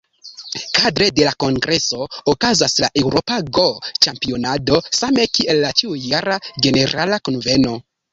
Kadre la la kongreso okazas la "Eŭropa Go-Ĉampionado", same kiel la ĉiujara Ĝenerala Kunveno.